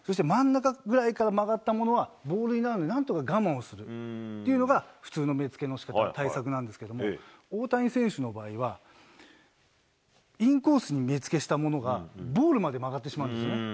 そして真ん中ぐらいから曲がったものはボールになるのでなんとか我慢をするというのが、普通の目付の人の対策なんですけれども、大谷選手の場合は、インコースに目付けをしたものがボールまで曲がってしまうんですね。